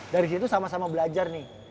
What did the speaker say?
dari situ sama sama belajar nih